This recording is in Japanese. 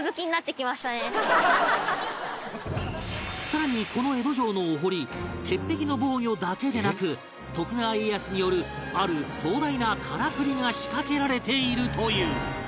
更にこの江戸城のお堀鉄壁の防御だけでなく徳川家康によるある壮大なカラクリが仕掛けられているという